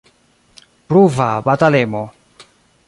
Pruva batalemo.